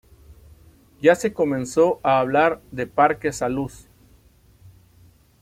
Ya se comenzó a hablar de Parque Salus.